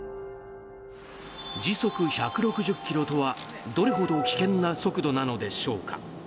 時速１６０キロとはどれほど危険な速度なのでしょうか。